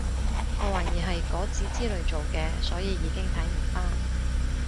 我懷疑係果籽之類做嘅所以已經睇唔返